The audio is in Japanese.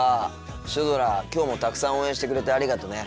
シュドラきょうもたくさん応援してくれてありがとね。